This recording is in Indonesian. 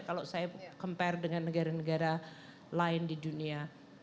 kalau saya compare dengan negara negara lain di dunia